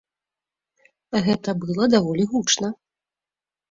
Гэта было даволі гучна.